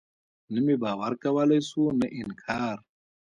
نه مې باور کولاى سو نه انکار.